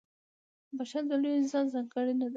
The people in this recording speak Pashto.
• بښل د لوی انسان ځانګړنه ده.